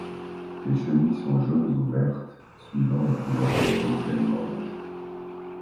Les chenilles sont jaunes ou vertes suivant la couleur des feuilles qu'elles mangent.